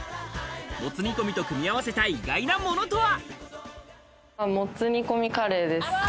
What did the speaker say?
もつ煮込みと組み合わせた意外なものとは？